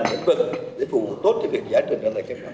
những vật để phù hợp tốt cho việc giải trình